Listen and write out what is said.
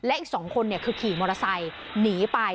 และอีกสองคนเนี้ยคือขี่มอเตอร์ไซค์หนีไป